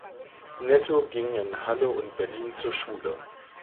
Netto ging in Halle und Berlin zur Schule.